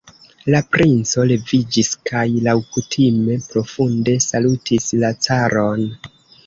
La princo leviĝis kaj laŭkutime profunde salutis la caron.